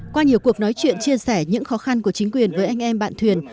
qua nhiều cuộc nói chuyện chia sẻ những khó khăn của chính quyền với anh em bạn thuyền